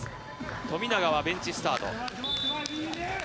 富永はベンチスタート。